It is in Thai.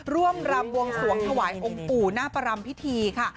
รำบวงสวงถวายองค์ปู่หน้าประรำพิธีค่ะ